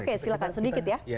oke silahkan sedikit ya